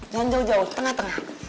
jangan jauh jauh tengah tengah